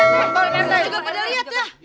gak ada liat ya